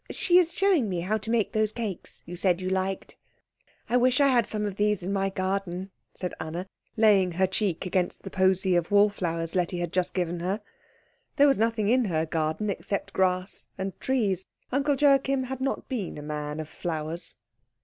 She is showing me how to make those cakes you said you liked." "I wish I had some of these in my garden," said Anna, laying her cheek against the posy of wallflowers Letty had just given her. There was nothing in her garden except grass and trees; Uncle Joachim had not been a man of flowers.